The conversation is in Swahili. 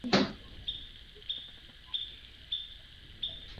Ugonjwa huu hutokea hasa katika msimu wa mvua na wakati mwingine unahusishwa na unywaji